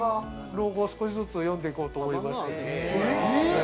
老後少しずつ読んで行こうと思いまして。